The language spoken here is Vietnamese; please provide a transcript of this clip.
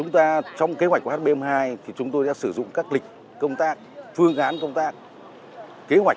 trong kế hoạch của hp hai mươi hai thì chúng tôi đã sử dụng các lịch công tác phương án công tác